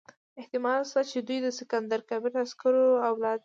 احتمال شته چې دوی د سکندر کبیر د عسکرو اولاد وي.